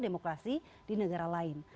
demokrasi di negara lain